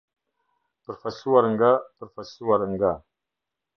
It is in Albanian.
Përfaqësuar nga përfaqësuar nga.